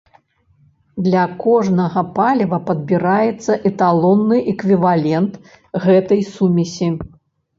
Для кожнага паліва падбіраецца эталонны эквівалент гэтай сумесі.